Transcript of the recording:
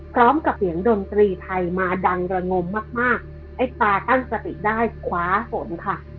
พร้อมกับเสียงดนตรีไทยมาดังระงมมากมากไอ้ตาตั้งสติได้คว้าฝนค่ะ